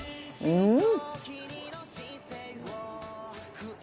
うん！